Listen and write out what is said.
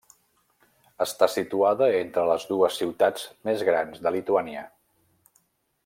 Està situada entre les dues ciutats més grans de Lituània: